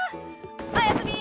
おやすみ！